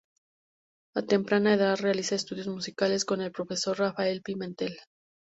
A temprana edad realiza estudios musicales con el profesor Rafael Pimentel.